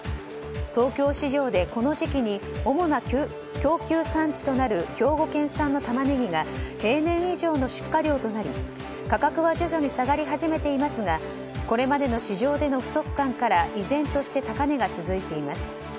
東京市場でこの時期に主な供給産地となる兵庫県産のタマネギが平年以上の出荷量となり価格は徐々に下がり始めていますがこれまでの市場での不足感から依然として高値が続いています。